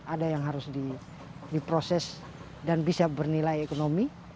ada yang harus diproses dan bisa bernilai ekonomi